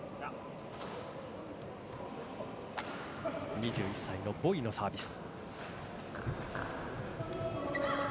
２１歳のボイイのサービス。